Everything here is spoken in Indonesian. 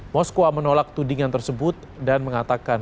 moskwa menolak tudingan tersebut dan mengatakan